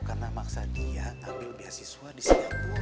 karena maksa dia ambil beasiswa di singapura